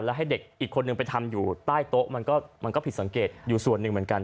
แล้วให้เด็กอีกคนนึงไปทำอยู่ใต้โต๊ะมันก็ผิดสังเกตอยู่ส่วนหนึ่งเหมือนกัน